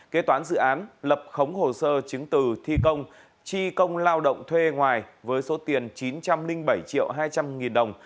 kế toán dự án lập khống hồ sơ chứng từ thi công tri công lao động thuê ngoài với số tiền chín trăm linh bảy triệu hai trăm linh nghìn đồng